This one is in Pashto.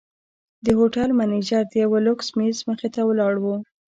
د هوټل منیجر د یوه لوکس میز مخې ته ولاړ و.